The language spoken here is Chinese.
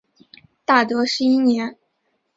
大德十一年。